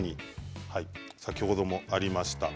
先ほどもありました